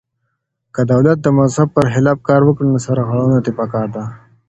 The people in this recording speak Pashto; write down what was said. که دولت د مذهب پر خلاف کار وکړي نو سرغړونه ترې پکار ده.